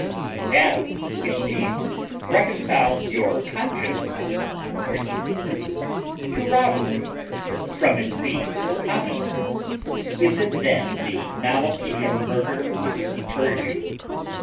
You have, it seems, reconciled your conscience (a pretty word) to robbery, from its being so common. Is it then the novelty of murder which deters you?